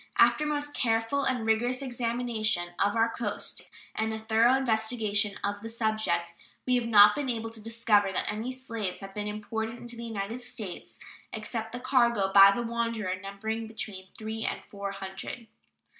After a most careful and rigorous examination of our coasts and a thorough investigation of the subject, we have not been able to discover that any slaves have been imported into the United States except the cargo by the Wanderer, numbering between three and four hundred.